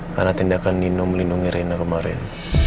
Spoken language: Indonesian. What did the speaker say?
karena tindakan nino melindungi rena kemarin